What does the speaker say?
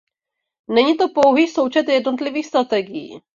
Není to pouhý součet jednotlivých strategií.